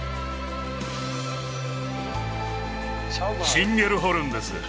チンゲルホルンです